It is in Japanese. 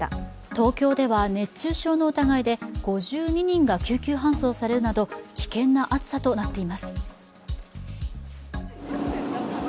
東京では熱中症の疑いで５２人が救急搬送されるなど危険な暑さとなっています。